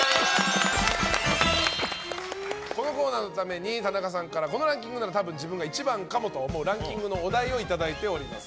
このコーナーのために田中さんからこのランキングなら自分が１番かもと思うランキングのお題をいただいております。